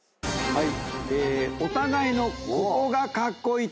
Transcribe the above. はい。